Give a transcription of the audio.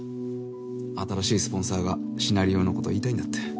新しいスポンサーがシナリオのこと言いたいんだって。